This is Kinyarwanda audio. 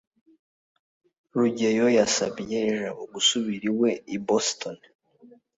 rugeyo yasabye jabo gusubira iwe i boston